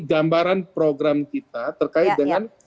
gambaran program kita terkait dengan